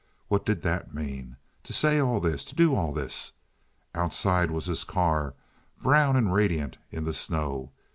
What did that mean? To say all this? To do all this? Outside was his car brown and radiant in the snow.